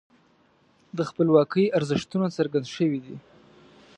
د خپلواکۍ ارزښتونه څرګند شوي دي.